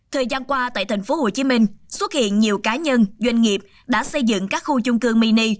thời gian qua tại tp hcm xuất hiện nhiều cá nhân doanh nghiệp đã xây dựng các khu chung cư mini